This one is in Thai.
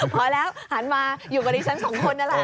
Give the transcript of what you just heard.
พอแล้วหันมาอยู่บริษัทสองคนนั่นแหละตอนนี้